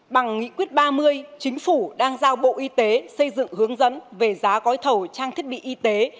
bằng nghị quyết ba mươi chính phủ đang giao bộ y tế xây dựng hướng dẫn về giá gói thầu trang thiết bị y tế